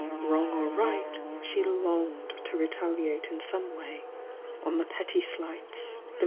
Wrong or right she onged to retaliate in some way on ehe petty slight J^LTT^''?'